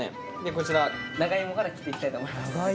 こちら長芋から切っていきたいと思います。